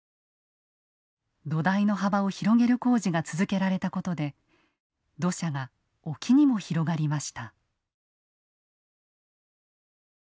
土台の幅を広げる工事が続けられたことで土砂が沖にも広がりました。